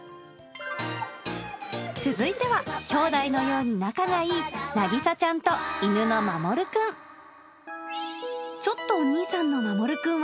続いては、きょうだいのように仲がいい、なぎさちゃんと犬のマモルくん。